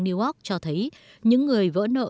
newark cho thấy những người vỡ nợ